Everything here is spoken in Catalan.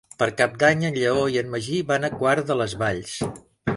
Per Cap d'Any en Lleó i en Magí van a Quart de les Valls.